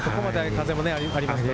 風もありますしね。